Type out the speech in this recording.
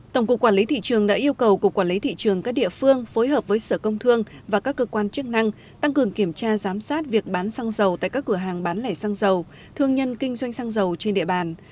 tổng cục quản lý thị trường đã yêu cầu cục quản lý thị trường các địa phương phối hợp với sở công thương và các cơ quan chức năng tăng cường kiểm tra giám sát việc bán xăng dầu tại các cửa hàng bán lẻ xăng dầu thương nhân kinh doanh xăng dầu trên địa bàn